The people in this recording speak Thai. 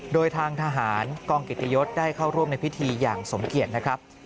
โดยทางทหารกองกิตยศได้เข้าร่วมในพิธีอย่างสมเกียจนะครับ